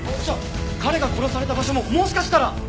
じゃあ彼が殺された場所ももしかしたら！